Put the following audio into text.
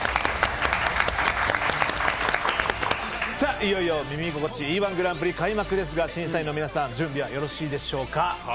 いよいよ「耳心地いい−１グランプリ」開幕ですが、審査員の皆さん、準備はよろしいでしょうか？